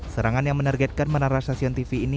serangan yang menargetkan menara stasiun tv ini